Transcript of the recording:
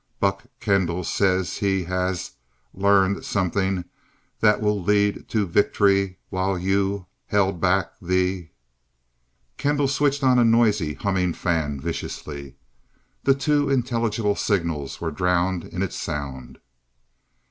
"B u c k K e n d a l l s a y s h e h a s l e a r n e d s o m e t h i n g t h a t w i l l l e a d t o v i c t o r y w h i l e y o u h e l d b a c k t h e " Kendall switched on a noisy, humming fan viciously. The too intelligible signals were drowned in its sound.